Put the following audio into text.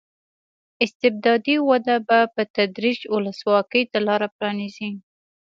استبدادي وده به په تدریج ولسواکۍ ته لار پرانېزي.